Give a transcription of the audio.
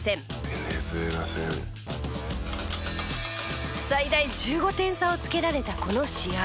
「ベネズエラ戦」最大１５点差をつけられたこの試合で。